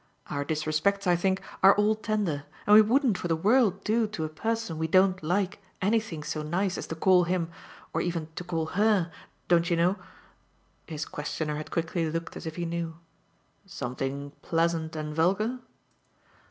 Our disrespects, I think, are all tender, and we wouldn't for the world do to a person we don't like anything so nice as to call him, or even to call her, don't you know ?" His questioner had quickly looked as if he knew. "Something pleasant and vulgar?"